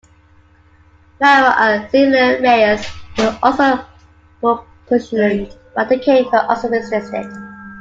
Marrow and Cecilia Reyes were also propositioned by the King, but also resisted.